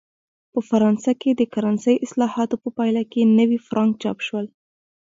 په فرانسه کې د کرنسۍ اصلاحاتو په پایله کې نوي فرانک چاپ شول.